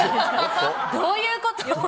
どういうこと？